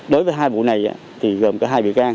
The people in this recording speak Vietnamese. đối với hai vụ này thì gồm cả hai bị can